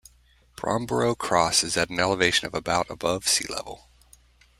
Bromborough Cross is at an elevation of about above sea level.